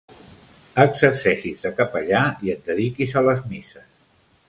Exerceixis de capellà i et dediquis a les misses.